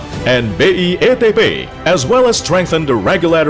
dan juga memperkuat keberagaman sistem regulasi